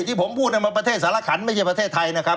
ที่ผมพูดมาประเทศสารขันไม่ใช่ประเทศไทยนะครับ